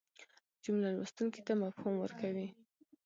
جمله لوستونکي ته مفهوم ورکوي.